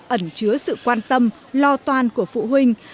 ẩn chứa sự quan tâm lo toan của phụ huynh